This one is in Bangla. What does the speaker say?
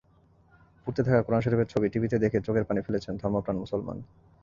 পুড়তে থাকা কোরআন শরিফের ছবি টিভিতে দেখে চোখের পানি ফেলেছেন ধর্মপ্রাণ মুসলমান।